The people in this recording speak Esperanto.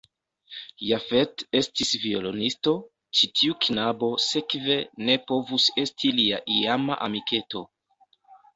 Jafet estis violonisto, ĉi tiu knabo sekve ne povus esti lia iama amiketo.